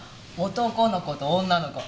男の子と女の子。